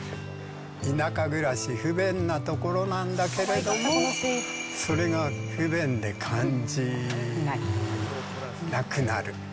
田舎暮らし、不便な所なんだけれども、それが不便で感じなくなる。